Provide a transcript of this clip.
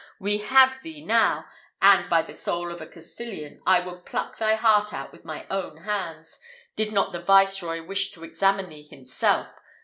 we have thee now; and, by the soul of a Castilian, I would pluck thy heart out with my own hands, did not the viceroy wish to examine thee himself.